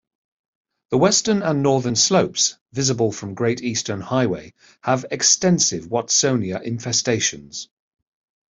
The western and northern slopes, visible from Great Eastern Highway have extensive 'watsonia' infestations.